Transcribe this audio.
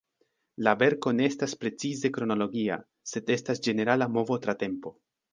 La verko ne estas precize kronologia, sed estas ĝenerala movo tra tempo.